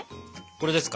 これですか？